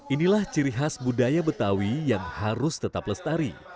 inilah ciri khas budaya betawi yang harus tetap lestari